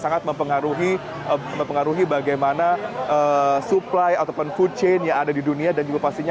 sangat mempengaruhi bagaimana supply ataupun food chain yang ada di dunia dan juga pastinya